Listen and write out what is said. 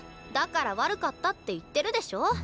だから悪かったって言ってるでしょ。